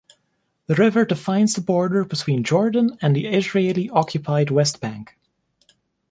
The river defines the border between Jordan and the Israeli-occupied West Bank.